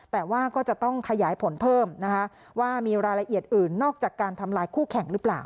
แต่ว่าก็จะต้องขยายผลเพิ่มนะคะว่ามีรายละเอียดอื่นนอกจากการทำลายคู่แข่งหรือเปล่า